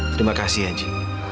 terima kasih ya ji